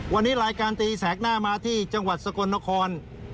วันนี้รายการตีแสกหน้ามาที่จังหวัดสกลนคร